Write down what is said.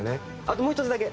あともう１つだけ。